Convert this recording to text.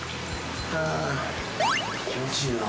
気持ちいいな。